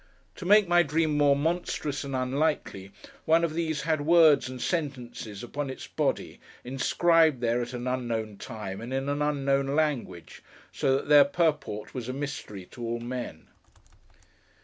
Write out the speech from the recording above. To make my Dream more monstrous and unlikely, one of these had words and sentences upon its body, inscribed there, at an unknown time, and in an unknown language; so that their purport was a mystery to all men.